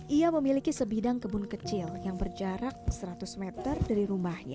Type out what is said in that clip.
ia memiliki sebidang kebun kecil yang berjarak seratus meter dari rumahnya